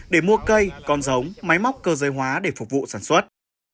để mua cây con giống máy móc cơ dây hóa để phục vụ sản xuất